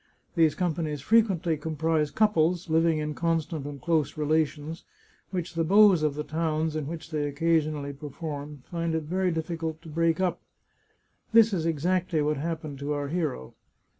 These companies frequently comprise couples, living in constant and close relations, which the beaux of the towns in which they occasionally perform find it very difficult to break up. This is exactly what happened to our hero.